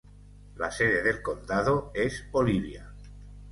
La sede del condado es Olivia.